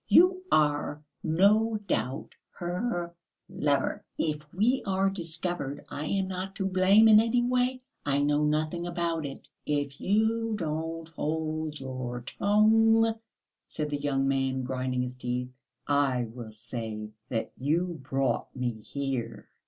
You are, no doubt, her lover. If we are discovered I am not to blame in any way; I know nothing about it." "If you don't hold your tongue," said the young man, grinding his teeth, "I will say that you brought me here.